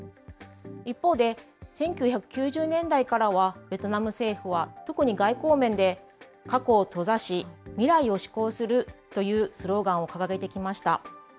一方で、１９９０年代からは、ベトナム政府は特に外交面で過去を閉ざし、未来を志向するというスローガンを掲げてきました。